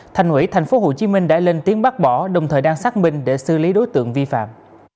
thành ủy tp hcm đã lên tiếng bác bỏ đồng thời đang xác minh để xử lý đối tượng vi phạm